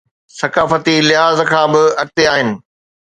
ثقافتي لحاظ کان به اڳتي آهن.